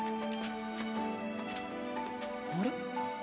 あれ？